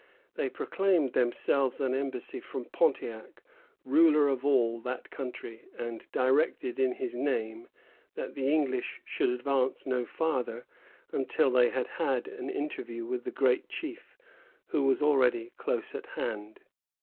They proclaimed themselves an embassy from Pontiac, ruler of all that country, and directed, in his name, that the English should advance no farther until they had had an interview with the great chief, who was already close at hand.